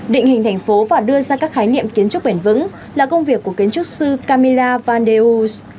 định hình thành phố và đưa ra các khái niệm kiến trúc bền vững là công việc của kiến trúc sư camilla van de oost